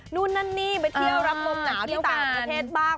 นู่นนั่นนี่ไปเที่ยวรับลมหนาวที่ต่างประเทศบ้าง